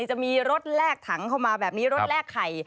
จะมีรถแลกถังเข้ามาแบบนี้รถแลกไข่